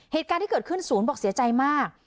เหตุการณ์ที่เกิดขึ้นศูนย์บอกเสียใจมาก